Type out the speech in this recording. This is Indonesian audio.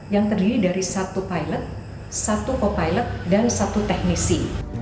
yang terdiri dari satu pilot satu co pilot dan satu teknisi